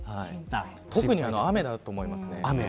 特に雨だと思いますね。